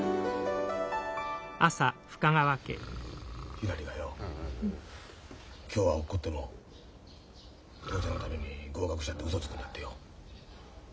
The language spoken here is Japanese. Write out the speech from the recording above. ひらりがよ今日は落っこっても父ちゃんのために合格したってうそつくんだってよ。